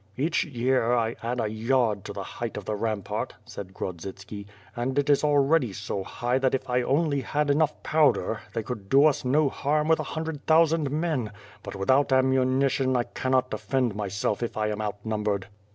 "Each year I add a yard to the height of the rampart," said Grodzitski, "and it is already so high that if I only had enough powder, they could do us no harm with a hundred thousand men: But without ammunition I cannot defend myself if I am outnumbered."